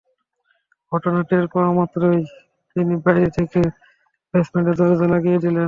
ঘটনা টের পাওয়া মাত্র তিনি বাইরে থেকে বেসমেন্টের দরজা লাগিয়ে দিলেন।